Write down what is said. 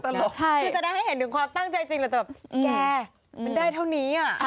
คือจะได้ให้เห็นถึงความตั้งใจจริงแหละแต่แกมันได้เท่านี้